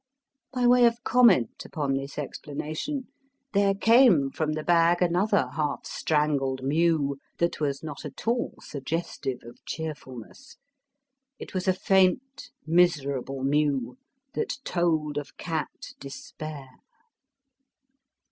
By way of comment upon this explanation, there came from the bag another half strangled mew that was not at all suggestive of cheerfulness. It was a faint miserable mew that told of cat despair!